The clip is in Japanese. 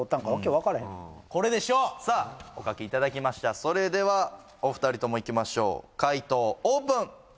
これでしょうさあお書きいただきましたそれではお二人ともいきましょう回答オープン！